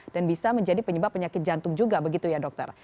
dan bisa menjadi penyebab penyakit jantung juga begitu ya dokter